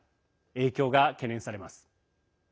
影響が懸念されます。